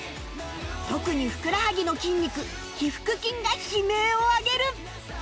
特にふくらはぎの筋肉腓腹筋が悲鳴を上げる